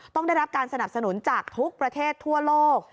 ต้องได้รับการสนับสนุนจากทุกประเทศทั่วโลก